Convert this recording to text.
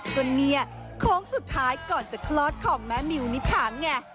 จนเนี่ยโค้งสุดท้ายก่อนจะคลอดของแม่มิวนิถามไง